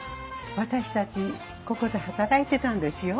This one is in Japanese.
私たちここで働いてたんですよ。